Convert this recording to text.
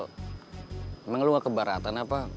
emang lo gak keberatan apa